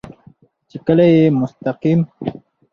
چې کله يې مستقيم